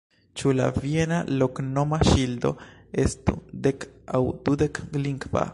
Ĉu la viena loknoma ŝildo estu dek- aŭ dudek-lingva?